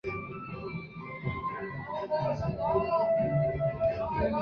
鲫鱼藤是夹竹桃科鲫鱼藤属的植物。